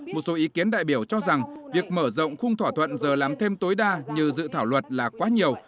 một số ý kiến đại biểu cho rằng việc mở rộng khung thỏa thuận giờ làm thêm tối đa như dự thảo luật là quá nhiều